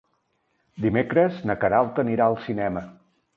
Dimecres na Queralt anirà al cinema.